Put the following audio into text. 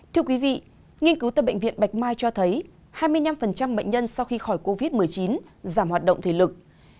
thưa quý vị nghiên cứu tại bệnh viện bạch mai cho thấy hai mươi năm bệnh nhân sau khi khỏi covid một mươi chín giảm hoạt động thể lực